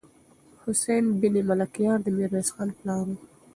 حسين بن ملکيار د ميرويس خان پلار و.